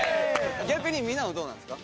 逆にみんなはどうなんですか？